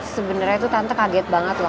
sebenernya tuh tante kaget banget loh